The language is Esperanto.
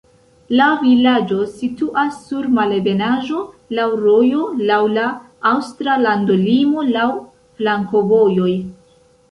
La vilaĝo situas sur malebenaĵo, laŭ rojo, laŭ la aŭstra landolimo, laŭ flankovojoj.